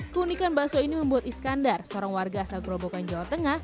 keunikan bakso ini membuat iskandar seorang warga asal gerobokan jawa tengah